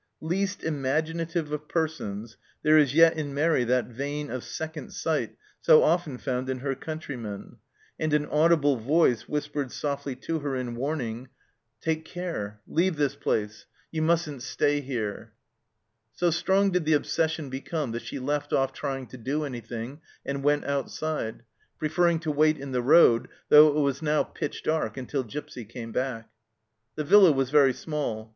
Least imag inative of persons, there is yet in Mairi that vein of " second sight " so often found in her countrymen, and an audible voice whispered softly to her in warning : 1. THE STEENKERKE HUT. 2. FIELD KITCHEN AND CAR. SHELLED OUT 225 " Take care ; leave this place ; you mustn't stay here." So strong did the obsession become that she left off trying to do anything and went outside, pre ferring to wait in the road, though it was now pitch dark, until Gipsy came back. The villa was very small.